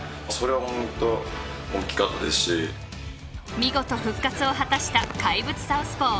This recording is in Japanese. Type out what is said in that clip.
見事、復活を果たした怪物サウスポー。